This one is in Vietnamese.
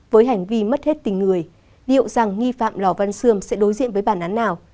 với hành vi mất hết tình người liệu rằng nghi phạm lò văn xương sẽ đối diện với bản án nào